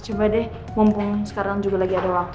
coba deh mumpung sekarang juga lagi ada waktu